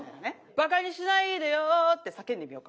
「馬鹿にしないでよ」って叫んでみようか。